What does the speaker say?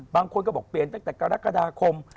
บางคนก็บอกเปลี่ยนตั้งแต่กรกฎาคม